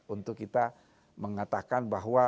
untuk kita mengatakan bahwa